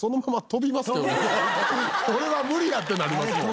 俺は無理やってなりますよ。